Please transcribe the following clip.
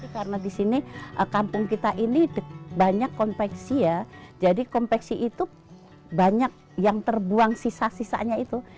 karena di sini kampung kita ini banyak konveksi ya jadi konveksi itu banyak yang terbuang sisa sisanya itu